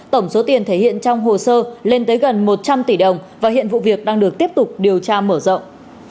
tổng số tiền thể hiện trong hồ sơ lên tới gần một trăm linh tỷ đồng và hiện vụ việc đang được tiếp tục điều tra mở rộng